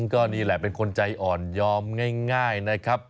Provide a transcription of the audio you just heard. ก็นี่แหละเป็นคนใจอ่อนยอมง่ายนะครับ